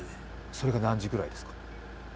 それが何時くらいですか。